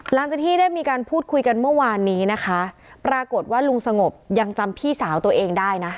หลังจากที่ได้มีการพูดคุยกันเมื่อวานนี้นะคะปรากฏว่าลุงสงบยังจำพี่สาวตัวเองได้นะ